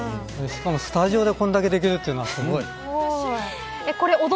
しかもスタジオでこれだけできるというのはすごい。